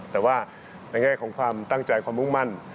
แต่ว่าในแง่ของความตั้งใจความมุ่งมั่น